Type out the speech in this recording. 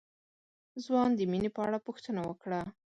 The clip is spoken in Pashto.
ځوان د مينې په اړه پوښتنه وکړه.